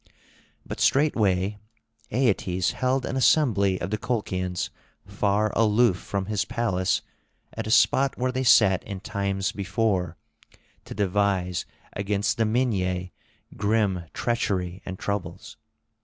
But straightway Aeetes held an assembly of the Colchians far aloof from his palace at a spot where they sat in times before, to devise against the Minyae grim treachery and troubles.